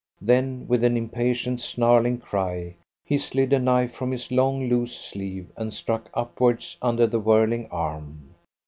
Then with an impatient, snarling cry, he slid a knife from his long loose sleeve and struck upwards under the whirling arm.